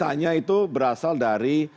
sisanya itu berasal dari